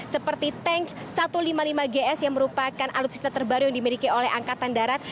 seperti tank satu ratus lima puluh lima gs yang merupakan alutsista terbaru yang dimiliki oleh angkatan darat